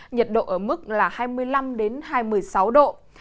nhiệt độ ở mức là hai mươi năm hai mươi sáu độ